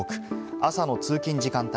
朝の通勤時間帯。